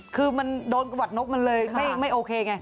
คือมันโดนกระหวัดนกมันเลยไม่โอเคไง